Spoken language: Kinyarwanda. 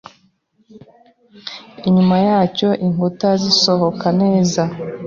Inyuma yacyo inkuta zisohoka neza